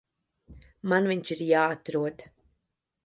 Man viņš ir jāatrod.